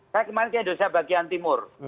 saya kemarin ke indonesia bagian timur